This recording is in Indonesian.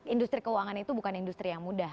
industri keuangan itu bukan industri yang mudah